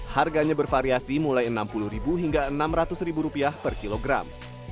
harganya bervariasi mulai rp enam puluh hingga rp enam ratus per kilogram